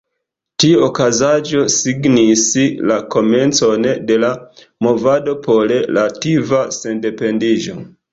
Tiu okazaĵo signis la komencon de la movado por latva sendependiĝo.